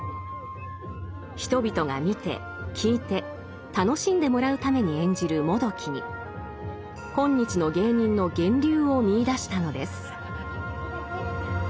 人々が見て聞いて楽しんでもらうために演じる「もどき」に今日の芸人の源流を見いだしたのです。